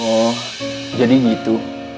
oh jadi gitu